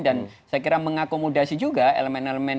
dan saya kira mengakomodasi juga elemen elemen sosial presiden